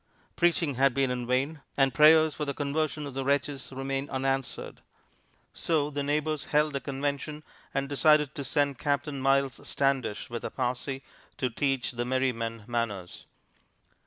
Preaching had been in vain, and prayers for the conversion of the wretches remained unanswered. So the neighbors held a convention, and decided to send Captain Miles Standish with a posse to teach the merry men manners.